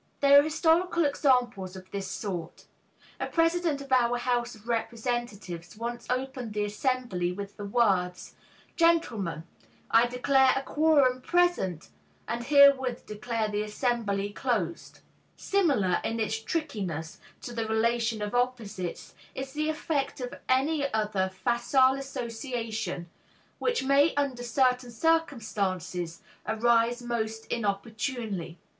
There are historical examples of this sort. A president of our House of Representatives once opened the assembly with the words, "Gentlemen, I declare a quorum present, and herewith declare the assembly closed." Similar, in its trickiness, to the relation of opposites is the effect of any other facile association which may under certain circumstances arise most inopportunely.